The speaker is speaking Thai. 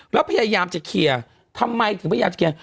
แล้วพยายามจะเคลียร์ทำไมถึงพยายามจะเคลียร์